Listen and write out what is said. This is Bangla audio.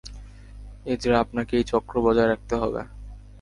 এজরা, আপনাকে এই চক্র বজায় রাখতে হবে।